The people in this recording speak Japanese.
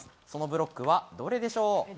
そのブロックは、どれでしょう。